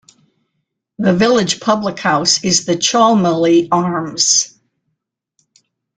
The village public house is the Cholmeley Arms.